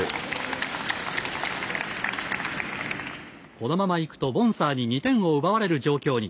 このままいくとボンサーに２点を奪われる状況に。